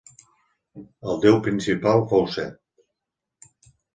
El déu principal fou Set.